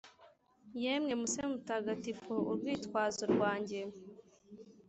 yemwe musee mutagatifu, urwitwazo rwanjye! -